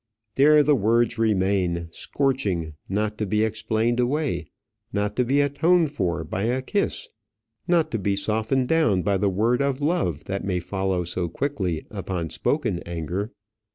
There the words remain, scorching, not to be explained away, not to be atoned for by a kiss, not to be softened down by the word of love that may follow so quickly upon spoken anger.